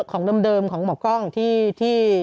ของเดิมของหมอกล้องที่